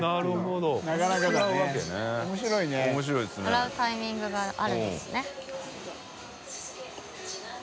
笑うタイミングがあるんですね。